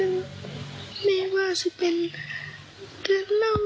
อุมหักพ่อนุกนะคะ